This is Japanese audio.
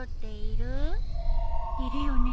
いるよね？